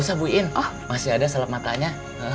aku gak bisa pake matanya